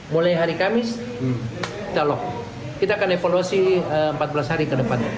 mulai hari kamis kita lock kita akan evaluasi empat belas hari ke depan